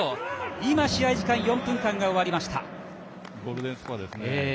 今、試合時間の４分間が終わりました。